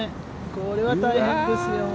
これは大変ですよ。